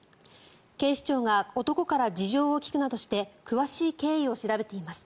警視庁が男から事情を聴くなどして詳しい経緯を調べています。